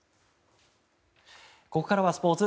ここからはスポーツ。